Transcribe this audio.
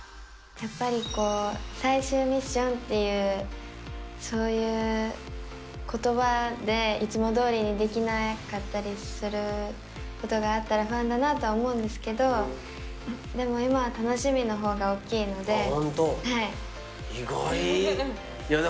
やっぱりこう、最終ミッションっていう、そういうことばで、いつもどおりにできなかったりすることがあったら不安だなと思うんですけど、でも今は楽しみのほうが大きいので。